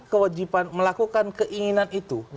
kewajiban melakukan keinginan itu